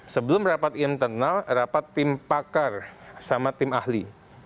sebelum rapat internal rapat tim pakar sama tim ahli